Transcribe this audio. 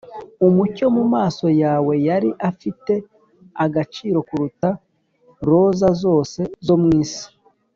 umucyo mumaso yawe yari afite agaciro kuruta roza zose zo mwisi.